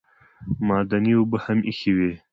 معدني اوبه هم ایښې وې.